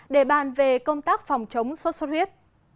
để bàn về công tác phòng chống sốt xuất huyết